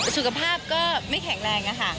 สุขภาพก็ไม่แข็งแรงค่ะ